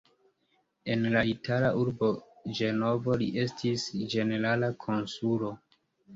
En la itala urbo Ĝenovo li estis ĝenerala konsulo.